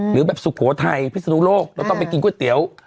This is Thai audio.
หรือแบบสุโขทัยพิศนุโลกเราต้องไปกินก๋วยเตี๋ยว